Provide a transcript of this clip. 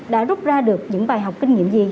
đã rút ra được những bài học kinh nghiệm gì